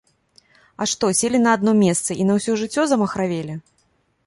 А што, селі на адно месца і на ўсё жыццё замахравелі?